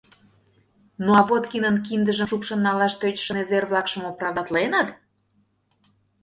— Ну, а Водкинын киндыжым шупшын налаш тӧчышӧ незер-влакшым оправдатленыт?